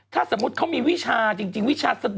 ถ้าสมมุติเขามีวิชาจริงวิชาสะดุ